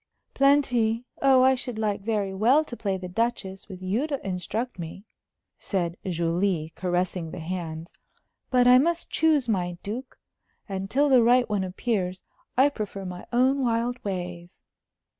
"Plenty. Oh, I should like very well to play the duchess, with you to instruct me," said Julie, caressing the hands. "But I must choose my duke. And till the right one appears, I prefer my own wild ways."